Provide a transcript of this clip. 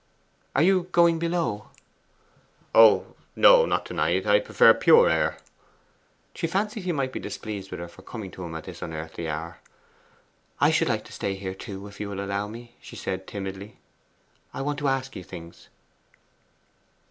'Are you going below?' 'Oh no; not to night. I prefer pure air.' She fancied he might be displeased with her for coming to him at this unearthly hour. 'I should like to stay here too, if you will allow me,' she said timidly. 'I want to ask you things.